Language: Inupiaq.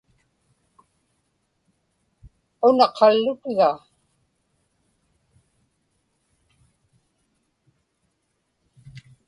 una qallutiga